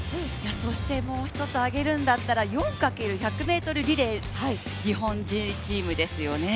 そしてもう一つ挙げるなら４×１００ｍリレー、日本人チームですよね。